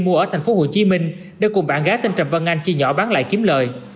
bạn gái tên trầm vân anh chi nhỏ bán lại kiếm lời